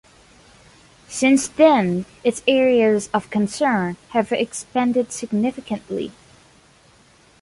Since then its areas of concern have expanded significantly.